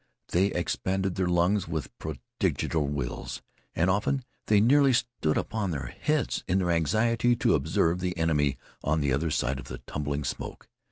They expended their lungs with prodigal wills. And often they nearly stood upon their heads in their anxiety to observe the enemy on the other side of the tumbling smoke.